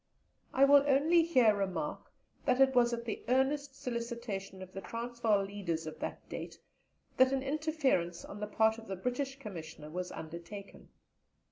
I will only here remark that it was at the earnest solicitation of the Transvaal leaders of that date that an interference on the part of the British Commissioner was undertaken.